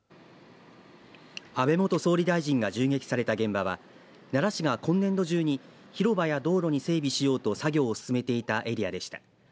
安倍元総理大臣が銃撃された現場は奈良市が今年度中に広場や道路に整備しようと作業を進めていたエリアでした。